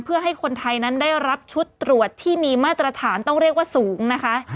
เพื่อให้คนไทยนั้นได้รับชุดตรวจที่มีมาตรฐานต้องเรียกว่าสูงนะคะ